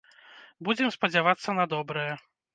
Будзем спадзявацца на добрае.